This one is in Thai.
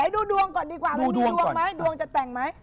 ดูดวงก่อนดีกว่ามันดูดวงไหมดวงจะแต่งไหม